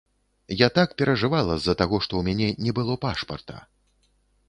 Я так перажывала з-за таго, што ў мяне не было пашпарта.